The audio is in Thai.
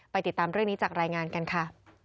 ติดตามเรื่องนี้จากรายงานกันค่ะ